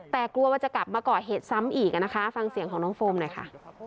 แต่กลัวว่าจะกลับมาก่อเหตุซ้ำอีกนะคะฟังเสียงของน้องโฟมหน่อยค่ะ